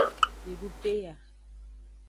Midu peya.